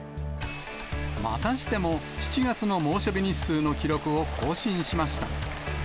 またしても、７月の猛暑日日数の記録を更新しました。